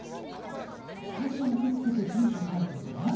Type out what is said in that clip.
最初受付で住所を書いたじゃない。